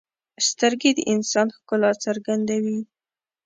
سترګې د انسان ښکلا څرګندوي